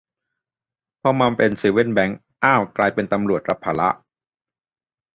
พอมาเป็นเซเว่นแบงก์ อ้าว กลายเป็นตำรวจรับภาระ